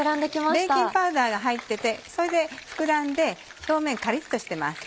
ベーキングパウダーが入っててそれで膨らんで表面カリっとしてます。